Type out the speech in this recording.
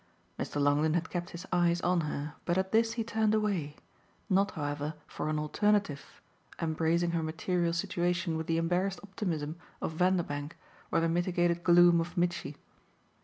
Mr. Longdon had kept his eyes on her, but at this he turned away; not, however, for an alternative, embracing her material situation with the embarrassed optimism of Vanderbank or the mitigated gloom of Mitchy.